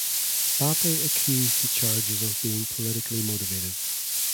Bapi accused the charges of being politically motivated.